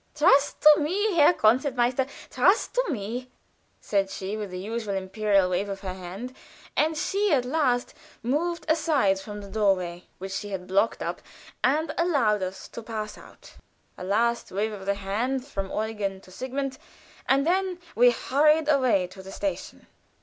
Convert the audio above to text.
"Trust to me, Herr Concertmeister trust to me," said she, with the usual imperial wave of her hand, as she at last moved aside from the door way which she had blocked up and allowed us to pass out. A last wave of the hand from Eugen to Sigmund, and then we hurried away to the station.